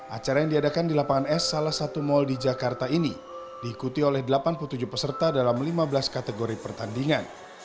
acara yang diadakan di lapangan es salah satu mal di jakarta ini diikuti oleh delapan puluh tujuh peserta dalam lima belas kategori pertandingan